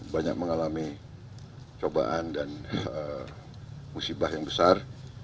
banyak mengalami cobaan dan musibah yang besar